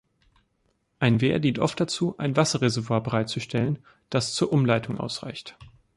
Ein Wehr dient oft dazu, ein Wasserreservoir bereitzustellen, das zur Umleitung ausreicht.